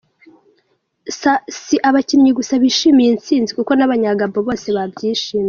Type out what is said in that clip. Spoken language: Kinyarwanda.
Si abakinnyi gusa bishimiye iyi ntsinzi, kuko n’abanya Gabon bose babyishimiye.